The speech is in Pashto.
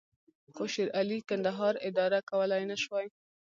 خو شېرعلي کندهار اداره کولای نه شوای.